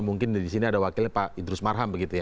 mungkin di sini ada wakilnya pak idrus marham begitu ya